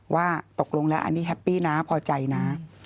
ว่าตกลงแล้วอันนี้แฮปปี้นะพอใจนะ